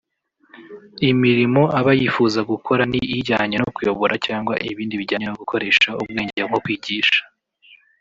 Imirimo aba yifuza gukora ni ijyanye no kuyobora cyangwa ibindi bijyanye no gukoresha ubwenge nko kwigisha